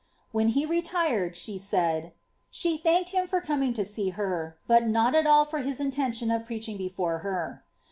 When he retired, she said ^ she thanked him for coming to see ber, but not at all for his intention of preaching before her."